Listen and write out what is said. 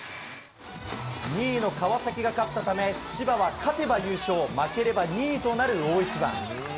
２位の川崎が勝ったため、千葉は勝てば優勝、負ければ２位となる大一番。